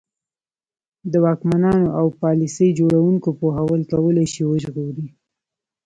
د واکمنانو او پالیسي جوړوونکو پوهول کولای شي وژغوري.